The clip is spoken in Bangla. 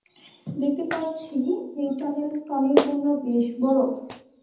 দেখতে পারছি এই টানেল টনির জন্য বেশ বড়।